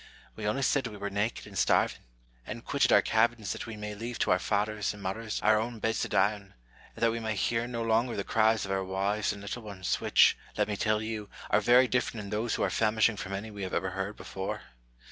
We only said we were naked and starving, and quitted our cabins that we may leave to our fathers and mothers our own beds to die on, and that we may hear no longer the cries of our wives and little ones, which, let me tell you, are very different in those who are famishing from any we ever heard before.